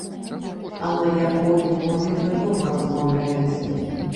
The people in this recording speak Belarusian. А на якой мове вы дома размаўляеце.